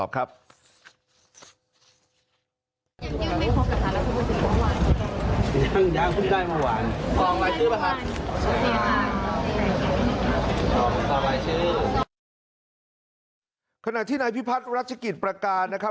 ขณะที่นายพิพัฒน์รัชกิจประการนะครับ